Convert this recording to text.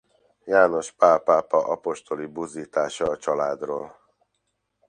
János Pál pápa apostoli buzdítása a családról.